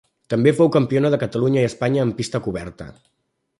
També fou campiona de Catalunya i Espanya en pista coberta.